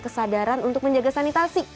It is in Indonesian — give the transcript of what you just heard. kesadaran untuk menjaga sanitasi